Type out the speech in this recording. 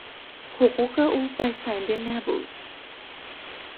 حقوق او بسنده نبود.